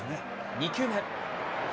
２球目。